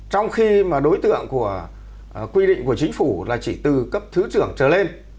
trong khi mà đối tượng của quy định của chính phủ là chỉ từ cấp thứ trưởng trở lên